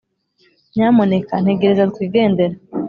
nyamuneka ntegereza twigendere.